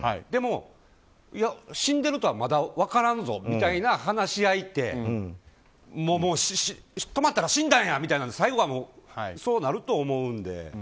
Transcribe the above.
でも、死んでるとはまだ分からんぞみたいな話し合いってもう、止まったら死んだんやって最後はそうなるとは思うんで。